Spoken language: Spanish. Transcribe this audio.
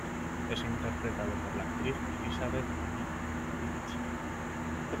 Es interpretado por la actriz Elizabeth Mitchell.